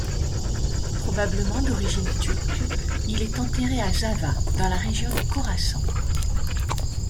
Probablement d'origine turque, il est enterré à Zava dans la région du Khorassan.